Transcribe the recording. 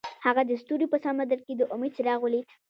هغه د ستوري په سمندر کې د امید څراغ ولید.